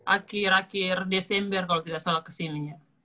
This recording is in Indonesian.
akhir akhir desember kalau tidak salah kesininya